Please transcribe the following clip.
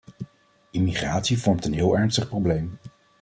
Immigratie vormt een heel ernstig probleem.